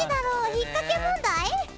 引っかけ問題？